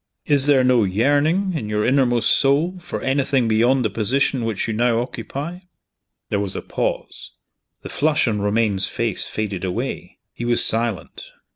Is there no yearning, in your inmost soul, for anything beyond the position which you now occupy?" There was a pause. The flush on Romayne's face faded away. He was silent.